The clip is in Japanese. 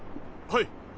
はい！